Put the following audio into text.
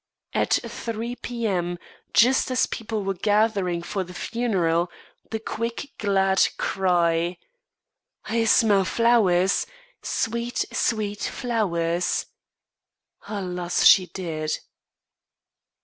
"At three P.M., just as people were gathering for the funeral, the quick, glad cry: 'I smell flowers, sweet, sweet flowers!'" Alas! she did.